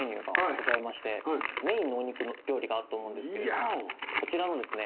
メインのお肉の料理があると思うんですけどこちらのですね